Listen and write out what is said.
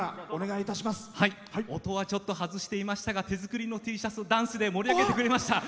音はちょっと外していましたが手作りのＴシャツ、ダンスで盛り上げてくれました。